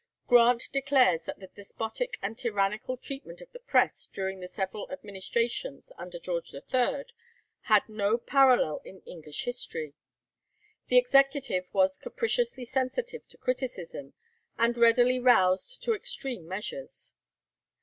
Grant declares that the despotic and tyrannical treatment of the press during the several administrations under George III. had no parallel in English history. The executive was capriciously sensitive to criticism, and readily roused to extreme measures.